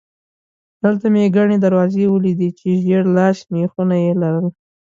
دلته مې ګڼې دروازې ولیدې چې ژېړ لاسي مېخونه یې لرل.